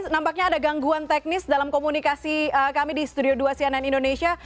nampaknya ada gangguan teknis dalam komunikasi kami di studio dua cnn indonesia